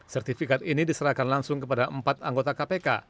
sertifikat ini diserahkan langsung kepada empat anggota kpk